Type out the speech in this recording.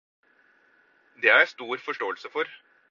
Det har jeg stor forståelse for.